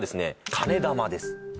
金霊です